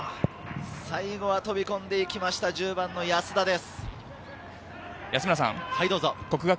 最後は飛び込んできました、１０番の安田です。